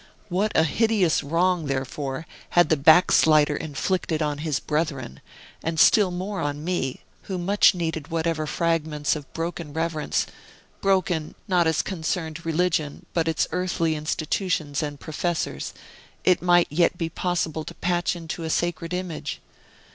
What a hideous wrong, therefore, had the backslider inflicted on his brethren, and still more on me, who much needed whatever fragments of broken reverence (broken, not as concerned religion, but its earthly institutions and professors) it might yet be possible to patch into a sacred image!